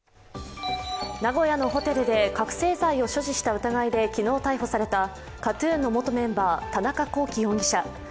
名古屋のホテルで覚醒剤を所持した疑いで昨日逮捕されたＫＡＴ−ＴＵＮの元メンバー、田中聖容疑者。